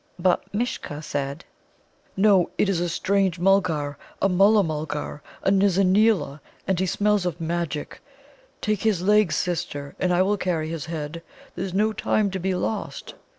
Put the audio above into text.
But Mishcha said: "No, it is a strange Mulgar, a Mulla mulgar, a Nizza neela, and he smells of magic. Take his legs, Sister, and I will carry his head. There's no time to be lost."